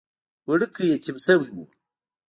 وړوکی يتيم شوی و.